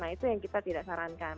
nah itu yang kita tidak sarankan